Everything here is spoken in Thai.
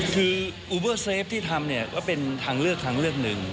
คืออูเบอร์เซฟที่ทำว่าเป็นทางเลือกหนึ่ง